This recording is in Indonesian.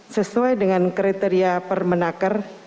sesuai dengan kriteria permenaker